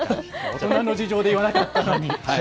大人の事情で言わなかったのに。